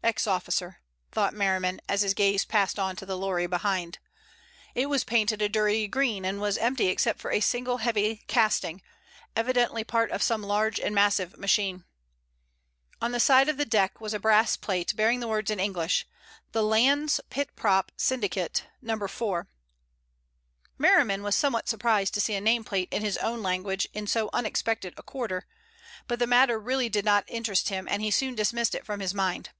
"Ex officer," thought Merriman as his gaze passed on to the lorry behind. It was painted a dirty green, and was empty except for a single heavy casting, evidently part of some large and massive machine. On the side of the deck was a brass plate bearing the words in English "The Landes Pit Prop Syndicate, No. 4." Merriman was somewhat surprised to see a nameplate in his own language in so unexpected a quarter, but the matter really did not interest him and he soon dismissed it from his mind.